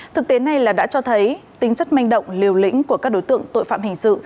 thực tế này là đã cho thấy tính chất manh động liều lĩnh của các đối tượng tội phạm hình sự